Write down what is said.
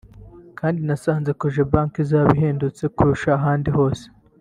kandi nasanze Cogebanque izaba ihendutse kurusha ahandi hose